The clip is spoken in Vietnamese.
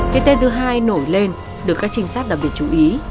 cái tên thứ hai nổi lên được các trinh sát đặc biệt chú ý